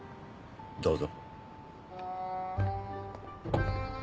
どうぞ。